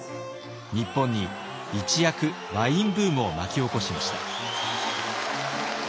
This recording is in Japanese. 日本に一躍ワインブームを巻き起こしました。